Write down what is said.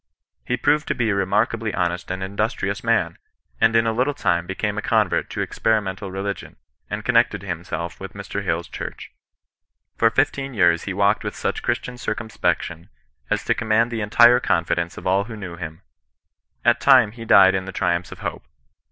He proved to be a re markably honest and industrious man : and in a little time became a convert to experimental religion, and connected himself with Mr. Hill's church. For fifteen years he walked with such Christian circumspection as to command the entire confidence of all who knew him. At length he died in the triumphs of hope.